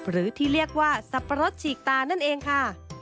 หรือที่เรียกว่าสับปะรดฉีกตานั่นเองค่ะ